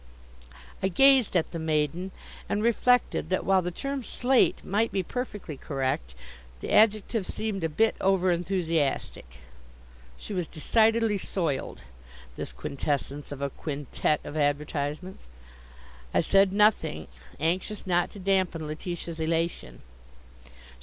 I gazed at the maiden, and reflected that while the term "slate" might be perfectly correct, the adjective seemed a bit over enthusiastic. She was decidely soiled, this quintessence of a quintette of advertisements. I said nothing, anxious not to dampen Letitia's elation.